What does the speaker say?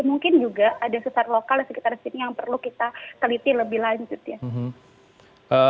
mungkin juga ada sesar lokal di sekitar sini yang perlu kita teliti lebih lanjut ya